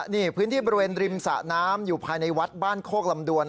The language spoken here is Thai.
นี่พื้นที่บริเวณริมสะน้ำอยู่ภายในวัดบ้านโคกลำดวน